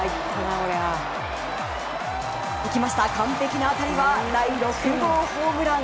いきました、完璧な当たりは第６号ホームラン。